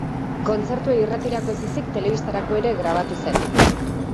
Kontzertua irratirako ez ezik telebistarako ere grabatu zen.